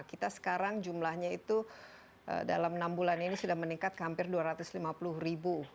kita sekarang jumlahnya itu dalam enam bulan ini sudah meningkat hampir dua ratus lima puluh ribu